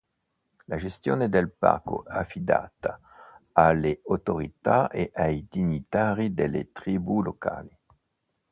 La gestione del parco è affidata alle autorità e ai dignitari delle tribù locali.